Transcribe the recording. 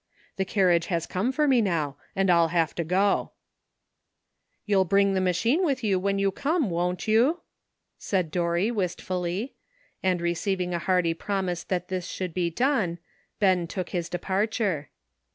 The carriage has come for me now, and I'll have to go." 842 ''LUCK.'' ''You'll bring the machine with you when you come, won't you?" said Dorry wistfully; and receiving a hearty promise that this should be done, Ben took his departure.